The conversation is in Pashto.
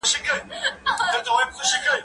زه به اوږده موده کتابتوننۍ سره وخت تېره کړی وم؟